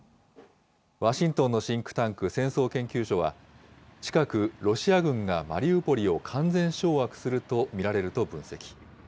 ワシントンのシンクタンク、戦争研究所は、近くロシア軍がマリウポリを完全掌握すると見られると分析。